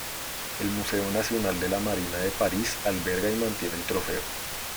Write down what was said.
El Museo Nacional de la Marina de París alberga y mantiene el Trofeo.